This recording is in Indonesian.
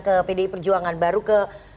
ke pdi perjuangan baru ke